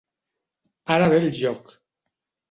Ara ve el joc!